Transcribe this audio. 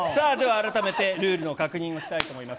改めてルールの確認をしたいと思います。